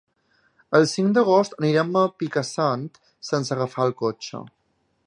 El cinc d'agost anirem a Picassent sense agafar el cotxe.